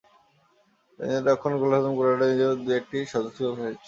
নিজেদের রক্ষণ গোল হজম করল কেন, নিজেও দু-একটি সহজ সুযোগ হারিয়েছেন।